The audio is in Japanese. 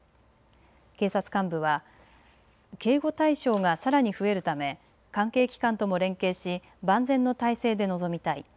警察幹部は警護対象がさらに増えるため関係機関とも連携し万全の態勢で臨みたい。